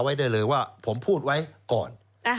ไว้ได้เลยว่าผมพูดไว้ก่อน